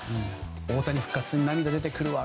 大谷復活に涙出てくるわ。